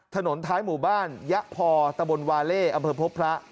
ถนนท้ายหมู่บ้านยะพอตะบนวาเล่อำเภอพบพระ